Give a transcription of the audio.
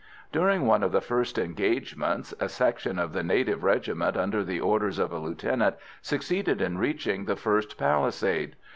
During one of the first engagements a section of the native regiment under the orders of a lieutenant succeeded in reaching the first palisade.